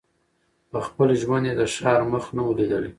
په خپل ژوند یې د ښار مخ نه وو لیدلی